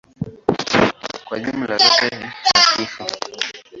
Kwa jumla zote ni hafifu.